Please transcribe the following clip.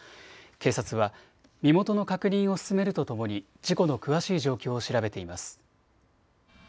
警察は身元の確認を進めるとともに事故の詳しい状況を調べています。